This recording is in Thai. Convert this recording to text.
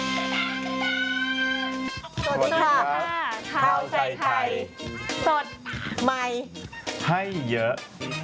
สวัสดีค่ะข้าวใส่ไข่สดใหม่ให้เยอะ